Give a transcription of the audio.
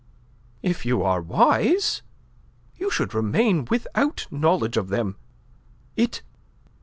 "If you are wise. You should remain without knowledge of them. It...